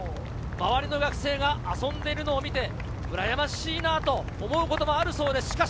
周りの学生が遊んでいるのを見て、羨ましいなと思うこともあるそうです。